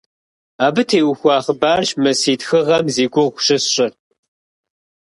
Абы теухуа хъыбарщ мы си тхыгъэм зи гугъу щысщӀыр.